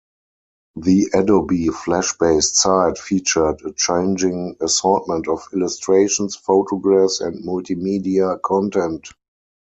The Adobe Flash-based site featured a changing assortment of illustrations, photographs, and multimedia content.